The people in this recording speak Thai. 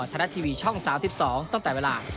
ธนาทีวีช่อง๓๒ตั้งแต่เวลา